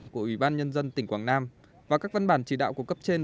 của ủy ban nhân dân tỉnh quảng nam và các văn bản chỉ đạo của cấp trên